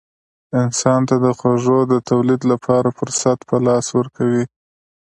انسان ته د خوړو د تولید لپاره فرصت په لاس ورکوي.